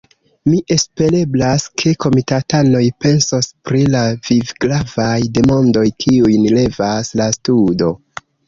Mi espereblas, ke komitatanoj pensos pri la vivgravaj demandoj, kiujn levas la studo!